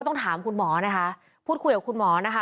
ต้องถามคุณหมอนะคะพูดคุยกับคุณหมอนะคะ